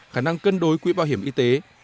khả năng cân đối quỹ bảo hiểm y tế